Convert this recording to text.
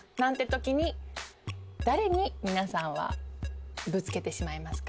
ときに誰に皆さんはぶつけてしまいますか？